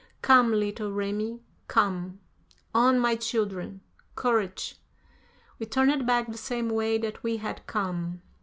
Come, little Remi, come. On, my children. Courage!" We turned back the same way that we had come.